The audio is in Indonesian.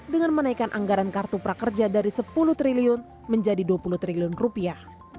dengan menaikkan anggaran kartu prakerja dari sepuluh triliun menjadi dua puluh triliun rupiah